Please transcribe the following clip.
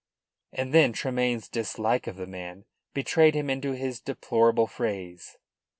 And then Tremayne's dislike of the man betrayed him into his deplorable phrase.